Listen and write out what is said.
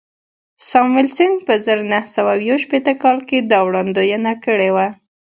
ساموېلسن په زر نه سوه یو شپېته کال کې دا وړاندوینه کړې وه